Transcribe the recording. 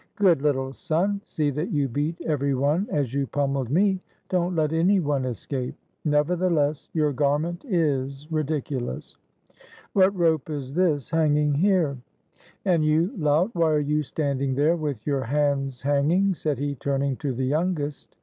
" Good little son! See that you beat every one as you pom meled me; don't let any one escape. Nevertheless, your garment is ridiculous. What rope is this, hanging here? — And you, lout, why are you standing there with your hands hanging?" said he, turning to the youngest.